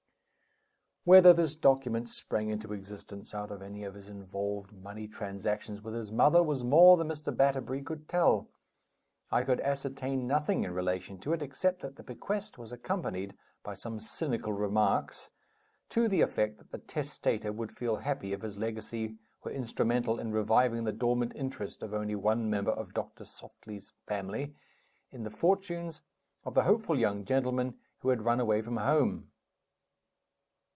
Whether this document sprang into existence out of any of his involved money transactions with his mother was more than Mr. Batterbury could tell. I could ascertain nothing in relation to it, except that the bequest was accompanied by some cynical remarks, to the effect that the testator would feel happy if his legacy were instrumental in reviving the dormant interest of only one member of Doctor Softly's family in the fortunes of the hopeful young gentleman who had run away from home.